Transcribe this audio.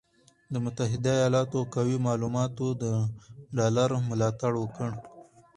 د متحده ایالاتو قوي معلوماتو د ډالر ملاتړ وکړ،